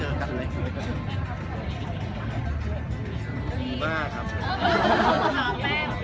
แม่กับผู้วิทยาลัย